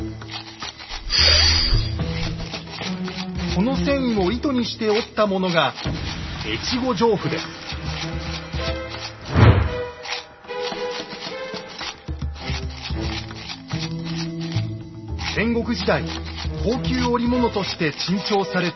この繊維を糸にして織ったものが戦国時代高級織物として珍重された越後上布。